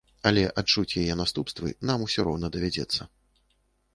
Аднак адчуць яе наступствы нам усё роўна давядзецца.